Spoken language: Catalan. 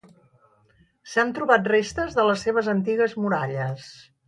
S'han trobat restes de les seves antigues muralles.